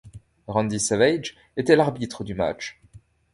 Randy Savage était l'arbitre du match.